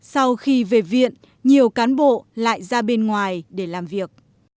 sau khi về viện nhiều cán bộ lại ra bên ngoài để làm việc